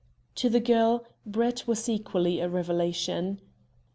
To the girl, Brett was equally a revelation.